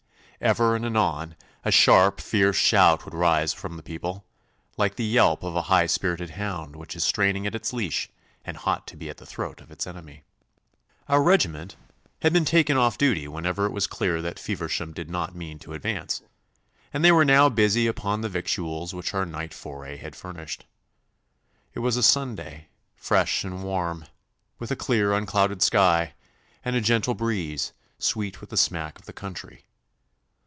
Ever and anon a sharp, fierce shout would rise from the people, like the yelp of a high spirited hound which is straining at its leash and hot to be at the throat of its enemy. Our regiment had been taken off duty whenever it was clear that Feversham did not mean to advance, and they were now busy upon the victuals which our night foray had furnished. It was a Sunday, fresh and warm, with a clear, unclouded sky, and a gentle breeze, sweet with the smack of the country.